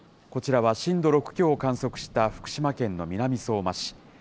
こちらは震度６強を観測した福島県の南相馬市。